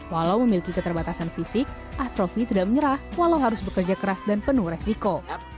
walau memiliki keterbatasan fisik asrofi tidak menyerah walau harus bekerja keras dan penuh resiko